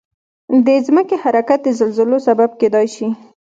د ځمکې حرکت د زلزلو سبب کېدای شي.